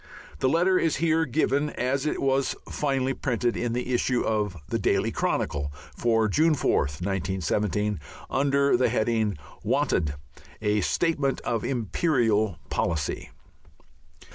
The letter is here given as it was finally printed in the issue of the Daily Chronicle for June 4th, 1917, under the heading, "Wanted a Statement of Imperial Policy."